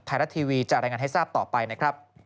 ไทรัตทีวีจะรายงานให้ทราบต่อไป